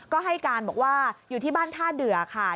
ก็ให้การบอกว่าอยู่ที่บ้านท่าเดือค่ะ